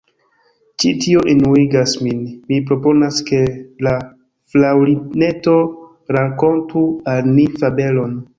Ĉi tio enuigas min! Mi proponas ke la Fraŭlineto rakontu al ni fabelon.